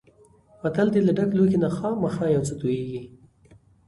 متل دی: له ډک لوښي نه خامخا یو څه تویېږي.